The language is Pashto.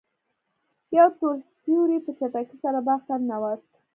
یو تور سیوری په چټکۍ سره باغ ته ننوت.